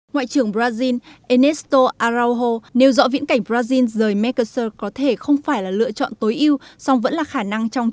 ngoại trưởng brazil ernesto araujo nêu rõ viễn cảnh brazil rời megasur có thể không phải là lựa chọn